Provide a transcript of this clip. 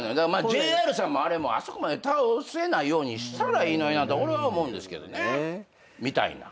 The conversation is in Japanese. ＪＲさんもあそこまで倒せないようにしたらいいのになと俺は思うんですけどねみたいな。